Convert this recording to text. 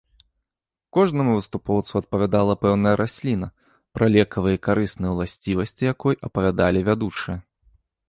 Кожнаму выступоўцу адпавядала пэўная расліна, пра лекавыя і карысныя ўласцівасці якой апавядалі вядучыя.